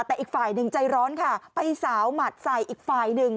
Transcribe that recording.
แต่อีกฝ่ายหนึ่งใจร้อนค่ะไปสาวหมัดใส่อีกฝ่ายหนึ่ง